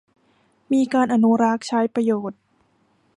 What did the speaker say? มีการอนุรักษ์ใช้ประโยชน์